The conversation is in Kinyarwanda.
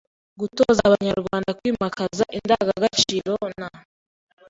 Gutoza Abanyarwanda kwimakaza indangagaciro na